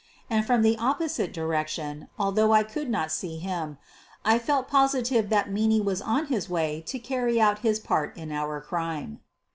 And from the opposite direction, although I could not see him, I felt positive that Meaney was on his way to carry out his part in our crime.